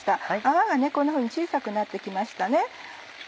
泡がこんなふうに小さくなって来ました。